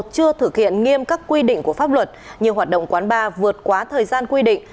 chưa thực hiện nghiêm các quy định của pháp luật như hoạt động quán bar vượt quá thời gian quy định